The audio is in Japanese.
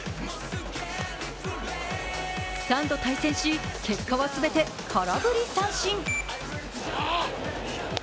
３度対戦し、結果は全て空振り三振。